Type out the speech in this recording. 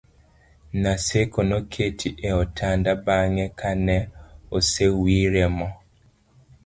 Naseko noketi e otanda bang'e ka ne osewire mo